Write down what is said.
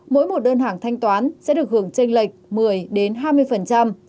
mỗi một đơn hàng thanh toán sẽ được hưởng tranh lệch một mươi đến hai mươi